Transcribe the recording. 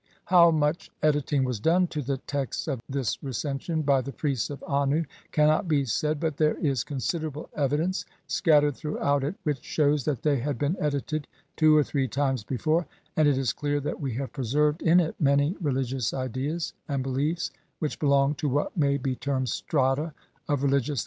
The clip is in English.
How much "editing" was done to the texts of this Recension by the priests of Annu cannot be said, but there is con siderable evidence scattered throughout it which shews that they had been edited two or three times before, and it is clear that we have preserved in it many religious ideas and beliefs which belong to what may be termed strata of religious thought of different i.